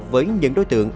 với những đối tượng